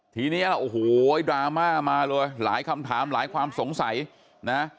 ทีนี้โอ้โหดราม่ามาเลยหลายคำถามหลายความสงสัยนะ